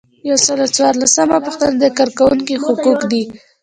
یو سل او څلورمه پوښتنه د کارکوونکي حقوق دي.